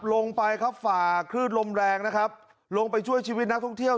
ลงไปครับฝ่าคลื่นลมแรงนะครับลงไปช่วยชีวิตนักท่องเที่ยว